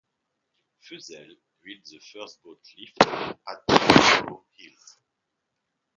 Fussell built the first boat lift at Barrow Hill.